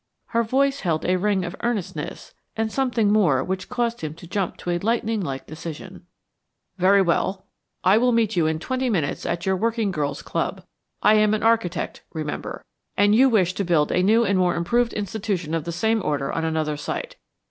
Her voice held a ring of earnestness and something more which caused him to jump to a lightning like decision. "Very well. I will meet you in twenty minutes at your Working Girls' Club. I am an architect, remember, and you wish to build a new and more improved institution of the same order on another site.